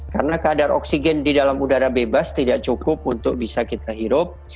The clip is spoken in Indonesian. karena kadar oksigen di dalam udara bebas tidak cukup untuk bisa kita hirup